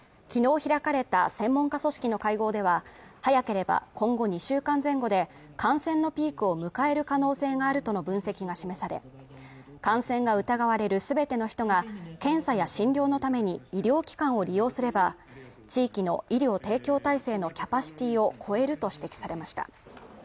昨日開かれた専門家組織の会合では早ければ今後２週間前後で感染のピークを迎える可能性があるとの分析が示され感染が疑われるすべての人が検査や診療のために医療機関を利用すれば地域の医療提供体制のキャパシティを超えると指摘されました